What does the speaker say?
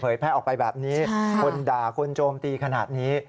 แพร่ออกไปแบบนี้คนด่าคนโจมตีขนาดนี้